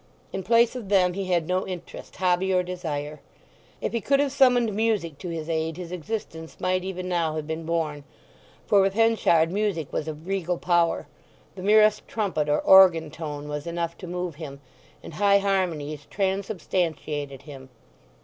In place of them he had no interest, hobby, or desire. If he could have summoned music to his aid his existence might even now have been borne; for with Henchard music was of regal power. The merest trumpet or organ tone was enough to move him, and high harmonies transubstantiated him.